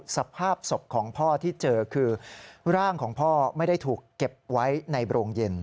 สภาพศพของพ่อที่เจอคือร่างของพ่อไม่ได้ถูกเก็บไว้ในโรงเย็น